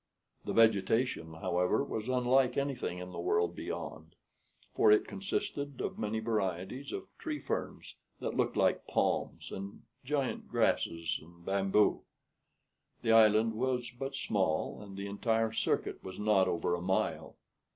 The vegetation, however, was unlike anything in the world beyond; for it consisted of many varieties of tree ferns, that looked like palms, and giant grasses, and bamboo. The island was but small, and the entire circuit was not over a mile.